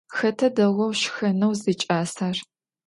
Xeta değou şşxeneu ziç'aser?